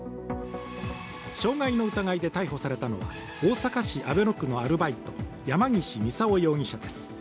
傷害の疑いで逮捕されたのは大阪市阿倍野区のアルバイト山岸操容疑者です。